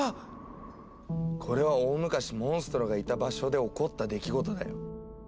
これは大昔モンストロがいた場所で起こった出来事だよ。